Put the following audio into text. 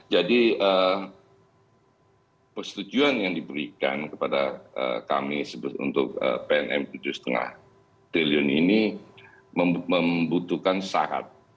jadi persetujuan yang diberikan kepada kami untuk pmn tujuh lima triliun ini membutuhkan syarat